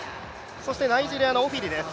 そしてナイジェリアのオフィリです。